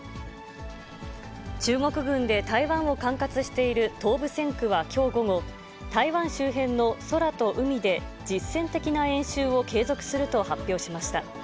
中国軍で台湾を管轄している東部戦区はきょう午後、台湾周辺の空と海で、実戦的な演習を継続すると発表しました。